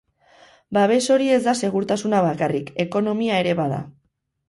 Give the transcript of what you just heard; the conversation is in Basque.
Babes hori ez da segurtasuna bakarrik, ekonomia ere bada.